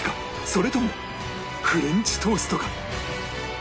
それともフレンチトーストか？